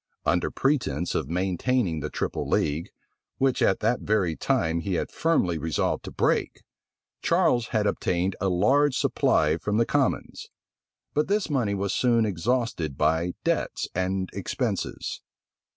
Under pretence of maintaining the triple league, which at that very time he had firmly resolved to break, Charles had obtained a large supply from the commons; but this money was soon exhausted by debts and expenses.